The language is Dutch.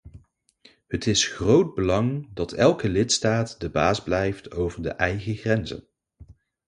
Het is groot belang dat elke lidstaat de baas blijft over de eigen grenzen.